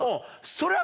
それは。